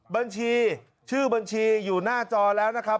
บัญชีชื่อบัญชีอยู่หน้าจอแล้วนะครับ